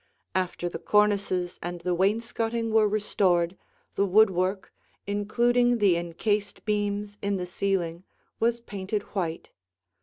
After the cornices and the wainscoting were restored, the woodwork, including the encased beams in the ceiling, was painted white.